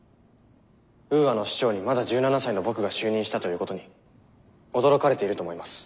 ウーアの首長にまだ１７才の僕が就任したということに驚かれていると思います。